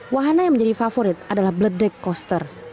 wahana yang menjadi favorit adalah bledek koster